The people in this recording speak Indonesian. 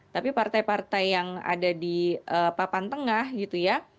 tapi partai partai yang ada di papan tengah gitu ya